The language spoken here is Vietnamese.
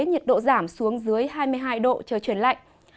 nhiệt độ giảm xuống dưới hai mươi hai độ trời chuyển lạnh